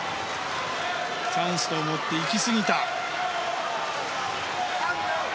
チャンスと思って行きすぎた。